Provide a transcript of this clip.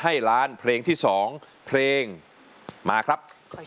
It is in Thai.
ให้ล้านเพลงที่๒เพลงมาครับ